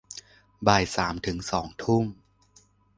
บ่ายสามถึงสองทุ่ม